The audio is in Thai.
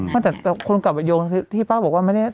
ไม่แต่คนกลับไปโยงที่ป้าบอกว่าไม่ได้